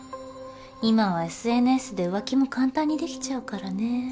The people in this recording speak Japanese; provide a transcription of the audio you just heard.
今はＳＮＳで浮気も簡単に出来ちゃうからね。